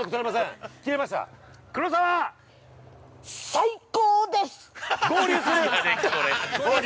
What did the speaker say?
◆最高です！